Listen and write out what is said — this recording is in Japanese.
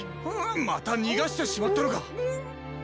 またにがしてしまったのか？